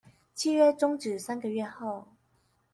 契約終止三個月後